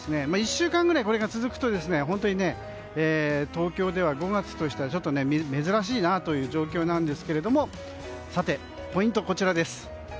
１週間ぐらいこれが続くと本当に東京では５月としては珍しいなという状況なんですがさて、ポイントはこちらです。